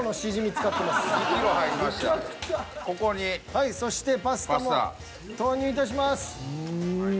はいそしてパスタも投入いたします。